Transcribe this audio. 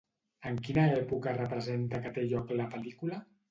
En quina època representa que té lloc la pel·lícula?